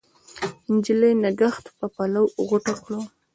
نجلۍ نګهت په پلو غوټه کړ